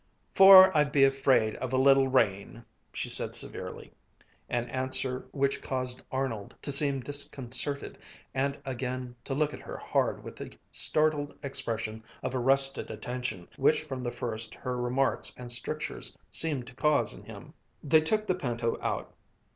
"'Fore I'd be afraid of a little rain!" she said severely, an answer which caused Arnold to seem disconcerted, and again to look at her hard with the startled expression of arrested attention which from the first her remarks and strictures seemed to cause in him. They took the pinto out.